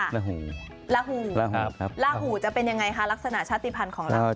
ละหูจะเป็นยังไงคะลักษณะชาติภัณฑ์ของละหู